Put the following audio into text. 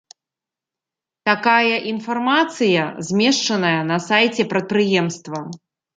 Такая інфармацыя змешчаная на сайце прадпрыемства.